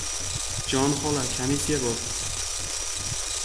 — Jon xola, komissiya bor.